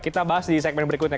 kita bahas di segmen berikutnya